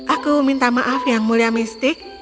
aku minta maaf yang mulia mistik